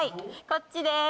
こっちです！